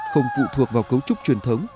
không phụ thuộc vào cấu trúc truyền thống